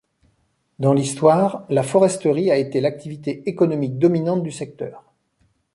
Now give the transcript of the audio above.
Dans l'histoire, la foresterie a été l'activité économique dominante du secteur.